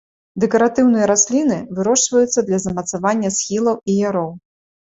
Дэкаратыўныя расліны, вырошчваюцца для замацавання схілаў і яроў.